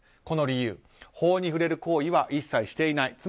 この理由法に触れる行為は一切していない。